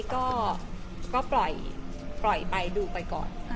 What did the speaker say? ก็ปล่อยไปดูไปก่อน